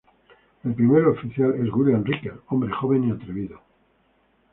El primer oficial es William Riker, hombre joven y atrevido.